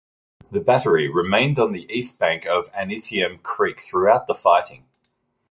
The battery remained on the east bank of Antietam Creek throughout the fighting.